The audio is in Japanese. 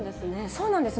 そうなんです。